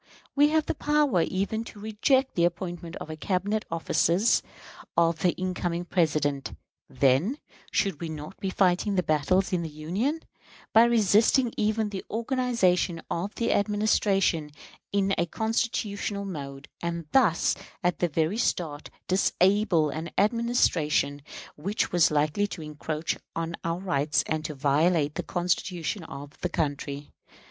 We have the power even to reject the appointment of the Cabinet officers of the incoming President. Then, should we not be fighting the battles in the Union, by resisting even the organization of the Administration in a constitutional mode, and thus, at the very start, disable an Administration which was likely to encroach on our rights and to violate the Constitution of the country?